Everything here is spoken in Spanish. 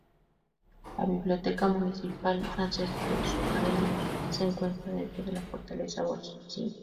La Biblioteca Municipal Francesco Zuccarelli se encuentra dentro de la Fortaleza Orsini.